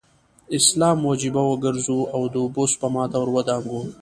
اسلامي وجیبه وګرځو او د اوبو سپما ته ور ودانګو.